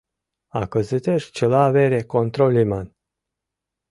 А кызытеш чыла вере контроль лийман!..